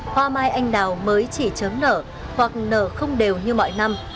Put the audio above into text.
hoa mai anh đào mới chỉ chớm nở hoặc nở không đều như mọi năm